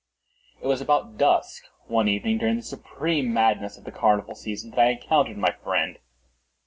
It was about dusk, one evening during the supreme madness of the carnival season, that I encountered my friend.